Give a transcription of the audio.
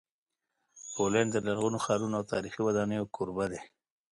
پولینډ د لرغونو ښارونو او تاریخي ودانیو کوربه دی.